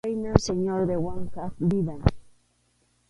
Khaynam Señor de Wankap vidan.